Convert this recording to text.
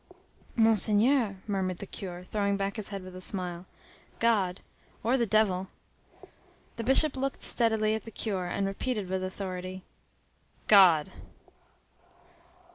"Monseigneur," murmured the curé, throwing back his head with a smile. "God—or the Devil." The Bishop looked steadily at the curé, and repeated with authority, "God!"